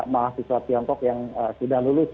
mahasiswa tiongkok yang sudah lulus